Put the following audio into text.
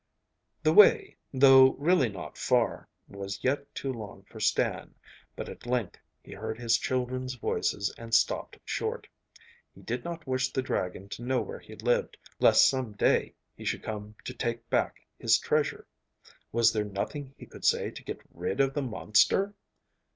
The way, though really not far, was yet too long for Stan, but at length he heard his children's voices, and stopped short. He did not wish the dragon to know where he lived, lest some day he should come to take back his treasure. Was there nothing he could say to get rid of the monster?